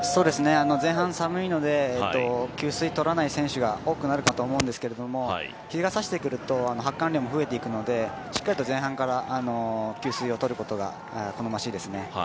前半、寒いので給水を取らない選手が多くなるかとは思うんですけど日がさしてくると、増えていくのでしっかりと前半から給水をとることが好ましいですね。